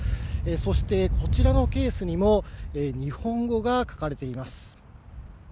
そして、こちらのケースにも、日本語が書かれています。